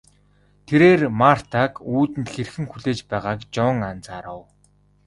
Тэрээр Мартаг үүдэнд хэрхэн хүлээж байгааг Жон анзаарав.